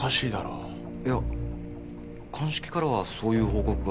いや鑑識からはそういう報告が。